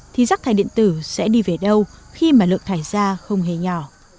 thì rác thải điện tử sẽ đi về đâu khi mà lượng thải ra không hề nhỏ